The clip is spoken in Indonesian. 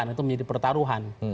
kedepan itu menjadi pertaruhan